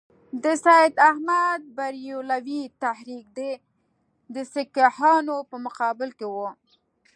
د سید احمدبرېلوي تحریک د سیکهانو په مقابل کې وو.